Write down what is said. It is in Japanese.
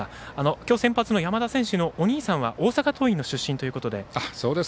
今日先発の山田選手のお兄さんは大阪桐蔭の出身ということで。